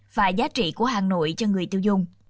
và giá trị của hàng nội cho người tiêu dùng